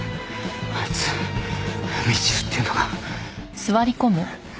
あいつみちるっていうのか。